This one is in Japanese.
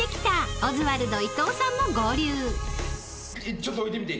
ちょっと置いてみて。